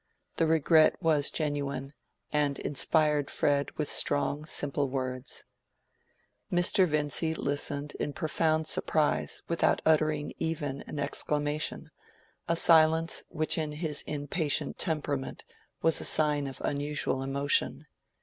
The regret was genuine, and inspired Fred with strong, simple words. Mr. Vincy listened in profound surprise without uttering even an exclamation, a silence which in his impatient temperament was a sign of unusual emotion.